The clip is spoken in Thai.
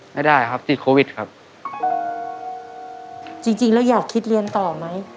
ไม่ได้ครับติดโควิดครับจริงจริงแล้วอยากคิดเรียนต่อไหม